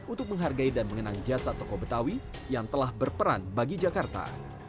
untuk menghargai dan mengenang jasa toko betawi yang telah berperan bagi jakarta